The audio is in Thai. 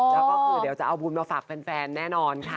แล้วก็คือเดี๋ยวจะเอาบุญมาฝากแฟนแน่นอนค่ะ